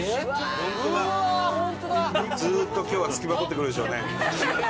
ずっと今日は付きまとってくるでしょうね。